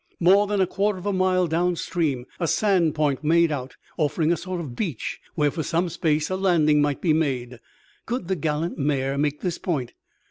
More than a quarter of a mile downstream a sand point made out, offering a sort of beach where for some space a landing might be made. Could the gallant mare make this point?